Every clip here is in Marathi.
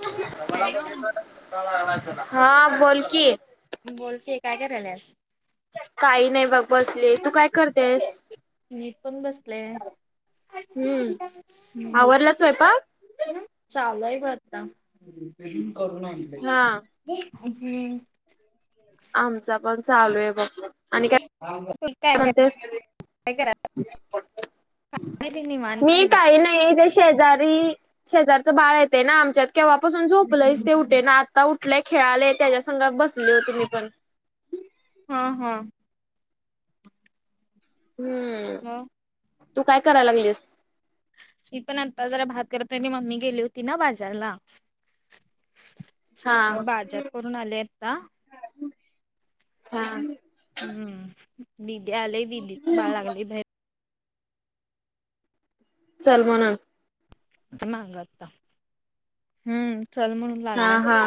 हॅलो हा बोल की. बोल की काय करायल्यास. काही नाही बघ बसले तू काय करतेस. मी पण बसले हम्म आवरला स्वयंपाक ह चालय ब आतार करून हा आमचा पण चालू आहे बघ आणि काय ह [inaudible] म्हणतेस ते निवांत मी आहे बघ काही नाही ते. शेजारी शेजारचं बाळ येते ना आमच्यात केव्हापासून झोपलंच ते उठे ना. आता उठलेय खेळाले त्याच्या संघा बसले होते मी पण. हम्म हम्म. हम्म हा. तू काय करायला लागलीस? ती पण आता जरा भात करत नाही मम्मी गेली होती ना बाजारला. हा मग बाजार करून आले आहेत का? हा. हम्म विद्या आले विदीत बाळ लागले बाई. चल मान. माग आता हम्म चल म्हणून हा लागलाय. हा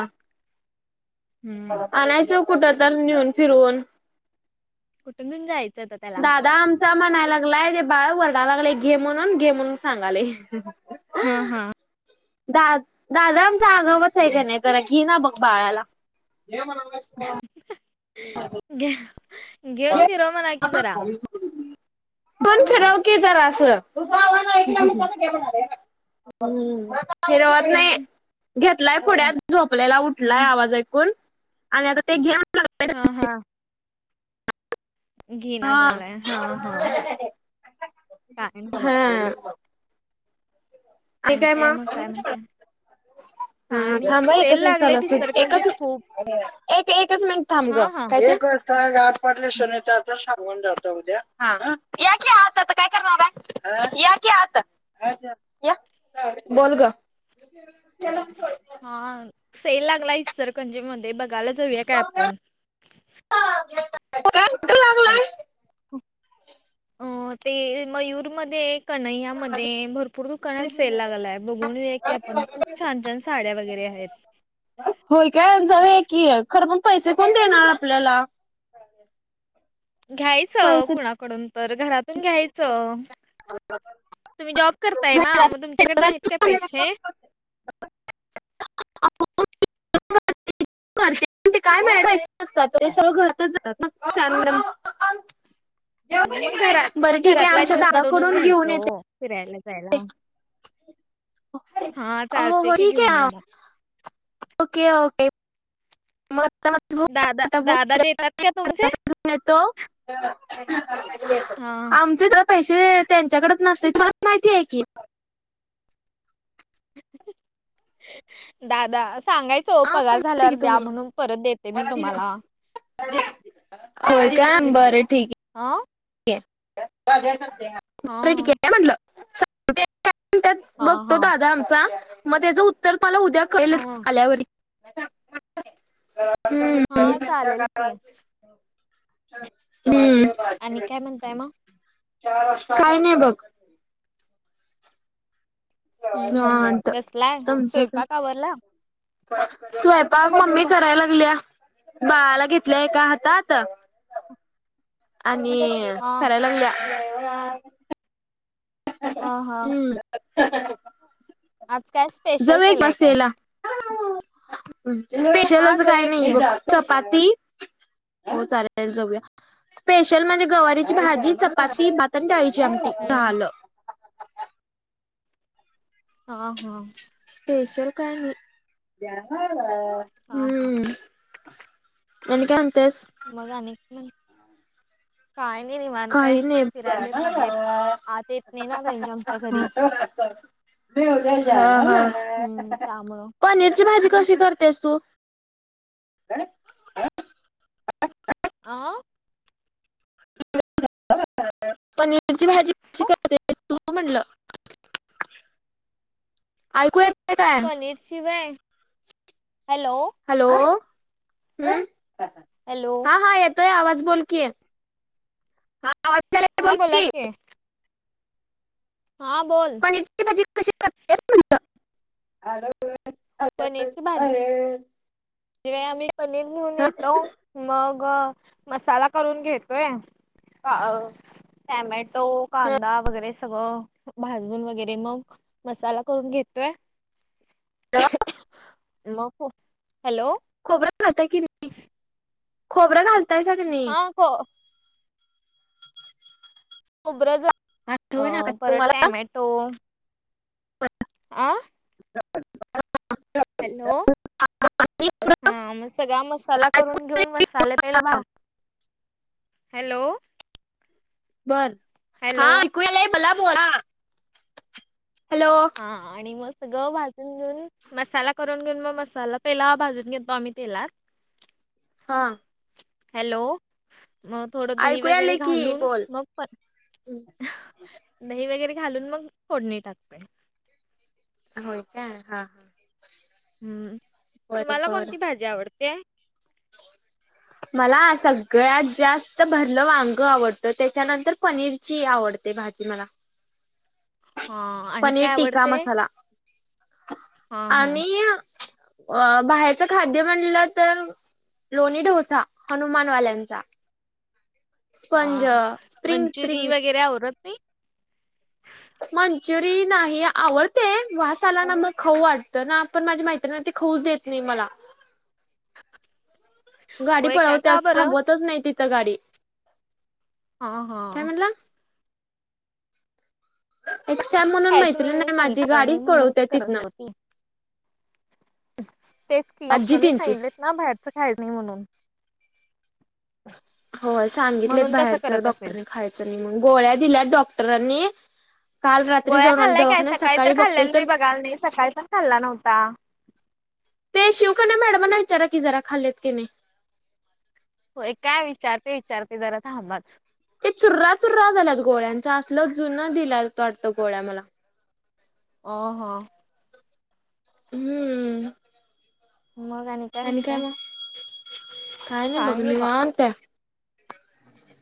हम्म आणायचं कुठं तर नेऊन फिरवून. कुठून जाचं. दादा आम. म्हनाय लागलाय ते बाळ वरडा लागलाय घे म्हणून घे म्हणून सांगाले. हा हा. दा दादा आमच्या आगाबाच आहे का नाही? जरा घे ना बघ बाळाला. घ घेऊन फिरव मणा की जरा. [unintelligible] पण फिरव की जरासं. हिरवत नाही हम्म घेतलाय पुड्या झोपलेला उठलाय आवाज ऐकून. आणि अग ते घेम. हा हा. घेना हा झालाय हा हा काय हा. होच आणि काय मग काय म्हणता. हा थांब एकच मिनिट चाल एकच खूप मि एक एकच मिनिट थांब हा ग हा का. गाठ पडली शनीता आता सांगून जात उद्या की आहात आता काय करणार. या की आत्ता. या बोल ग. हा सेल लागलाय सर खंजे मध्ये बघायला जाऊ या की. [unintelligible] हल अ ते मयूरमध्ये एक. कन्हैया मध्ये भरपूर दुकानात सेल लागला आहे बघूनया की आपण खूप छान छान. साड्या वगैरे आहेत. होय काय हे की आहे खरं पण पैसे कोण देणार आपल्याला. घ्यायचं पैसे कुणाकडून तर घरात घ्यायचं तुम्ही जॉब करताय ना घरात मग तुमच्याकडे नाहीत काय करते पैसे पण काय हो मॅडम असतात सगळं घरच जातातान मग घरात बरं ठीक आहे आमच्या दादाकडून घेऊन येते. फिरयला जायला हवं. चालते हो की ठीक घेऊन या आहे. मग. ओके ओके म [unintelligible] दादा दादा देतात का तुमचे? येतो हा आमच तस. पैसे त्यांच्याकडेच नसते तुम्हाला माहिती आहे की. दादा सांगायच. चो हा पगार माहिती आहे झाल्यावर की द्या तुम्ही म्हणून परत देते मी तुम्हाला? होय का बरं ठीक आहे. आं. क हा ठीक आहे म्हटलं. हा मग तो हा दादा आमचा मग त्याच तर मला उद्या हा कळेलच आल्यावर हम्म हा चालेल की. हम्म आणि काय म्हणताय मग काय नाही बघ. हम्म हम्म निवांत, बसलाय तुमचं स्वयंपाक आवरला? स्वयंपाक मम्मी करायला लागलिया बाळाला घेतल्या आहे एका हातात. आणि हा करायला लागलिया. हा हा हम्म आज काय स्पेशल जाऊया की केलंय काय? मसेला. स्पेशल हा असं काही जाऊया की. नाही बघ. चपाती हो चालेल जाऊया स्पेशल म्हणजे गवारीची भाजी चप पती भात न डाळीची आमटी हम्म झाल. ह हा स्पेशल काय नाही. हा हा हम्म आणि काय म्हणतेस? मग आणि काय म्हण काही नाही आत येत नाही ना रेंज आमच्या घरी हा हा हम्म त्यामुळे पनीरची भाजी कशी करतेस तू. आ पनीरची भाजी कशी करते? तुला म्हणलं ऐकू येत पनीरची होय, हॅलो हॅलो, हम्म हॅलो हा, हा, येतोय आवाज बोलकी, हा आवाज याल हा बोला बोलकी हां बोल पनीरची भाजी कशी करत्यात म्हणलं [unintelligible] पनीरची भाजी ते ते आम्ही पनीर घेऊन येतो मग मसाला करून घेतोय. आ आ टॅमॅटो कांदा वगैरे सगळं भाजून वगैरे मग मसाला करून घेतोय. [inaudible] नको. हॅलो खोबर पण घालताय की नाही [inaudible] खोबरं घालताय सा का नाही? हो. खबरं झा आठवण ना का परत टॅमॅटो. बरं. आ [unintelligible] हॅलो [unintelligible] हा मग सगळा मसाला करून घेऊन मसाले पहिले भ हॅलो. बर हॅलो हा ऐकू या लय मला बोला. हॅलो हा आणि मग सगळं भाजून घेऊन मसाला करून घेऊन म मसाला पेला भाजून घेतो आम्ही तेलात. हां. हॅलो मग थोडं दही ऐकू वगैरे आले की घालून बोल मग प दही वगैरे घालून मग फोडणी टाकते. होय का हा हा. हम्म तुम्हाला बरोबर कोणती भाजी आवडते? मला सगळ्यात जास्त भरलं वांग आवडतं त्याच्यानंतर पनीरची आवडते. ते भाजी मला. हा आणि पनीर काय टिक्का आवडते? मसाला हा हा आणि अ बाहेरचं खाद्य म्हणलं तर लोणी डोसा हनुमानवाल्यांचा. हा स्पंज स्प्रिंग मंचुरी स्प्रिंग वगैरे आवडत नाही? मंजुरी नाही आवडते वास आला ना मग खाऊ वाटतं ना आपण माझ्या मैत्रीण ते खाऊ देत नाही मला. गाडी होय का का पळवत्याच बरं थांबवतच नाही तिथं गाडी. हा हा काय म्हणला एक्सम खायचं नाही म्हणून सांगित कर नाही म्हणूनच करत तिथनं राती. तेच आजी डॉक्टरांनी त्यांची सांगितलेत ना बाहेरच खाय नाही म्हणून. हो सांगितलेत म्हणून तसं बाहेरच करत असेल डॉक्टरनी खायचं नाही मग गोळ्या दिल्यात डॉक्टरांनी. काल रात्री गोळ्या जाऊन आले खाल्लाय काय दवाखान्यात सकाळी तर बघतोय खाल्लेला मी बघाय नाही सकाळी पण खाल्ला नव्हता. ते शिवकन्या मॅडमांना विचारा की जरा खाल्लीत क नाही. होय काय विचारते विचारते जरा थांबच. ते चुर्रा चुर्रा झाल्यात गोळ्यांचा असल जुना दिला वाटतं गोळ्या मला अ हा हम्म मग आणि? आणि काय मग काय नाही बघ निवांतय.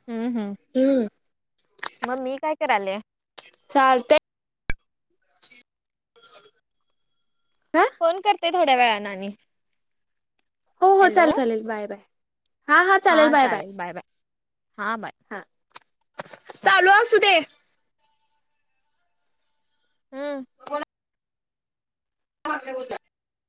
हम्म हम् हं मम्मी काय कारली? चालतय! ह फोन करते थोड्या वेळा न आणि हो हो हॅलो चालेल चालेल बाय बाय हा हा चालेल बाय बाय. हा बाय! हा हां. चालू असू दे. हा [unintelligible]